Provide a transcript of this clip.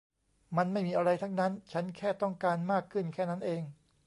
มันไม่มีอะไรทั้งนั้น ฉันแค่ต้องการมากขึ้นแค่นั้นเอง